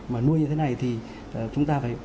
mà nuôi như thế này thì chúng ta phải